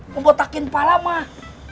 membotakin pahlawan mah